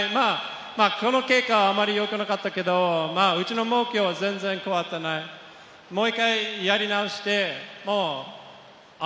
この結果はあまりよくなかったけれど、目標は変わってない、もう１回やり直して。